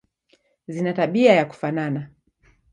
Zina tabia za kufanana.